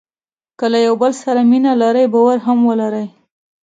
که له یو بل سره مینه لرئ باور هم ولرئ.